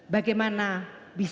bagaimana bisa seorang gubernur